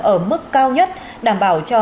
ở mức cao nhất đảm bảo cho